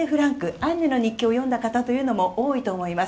「アンネの日記」を読んだ方も多いと思います。